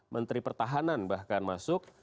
menteri pertahanan bahkan masuk